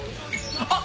あっ！